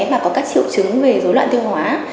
mà có các triệu chứng về dối loạn tiêu hóa